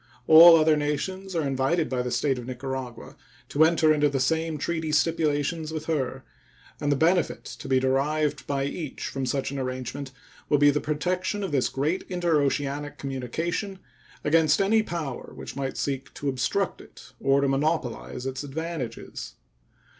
All other nations are invited by the State of Nicaragua to enter into the same treaty stipulations with her; and the benefit to be derived by each from such an arrangement will be the protection of this great interoceanic communication against any power which might seek to obstruct it or to monopolize its advantages.